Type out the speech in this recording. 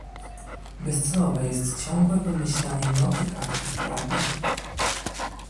Bezcelowe jest ciągłe wymyślanie nowych aktów prawnych